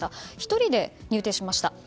１人で入廷しました。